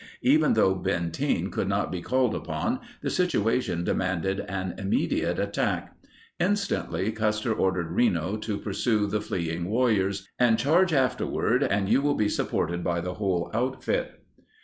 Even though Benteen could not be called upon, the situa tion demanded an immediate attack. Instantly, Custer ordered Reno to pursue the fleeing warriors, "and charge afterward, and you will be supported by the whole outfit."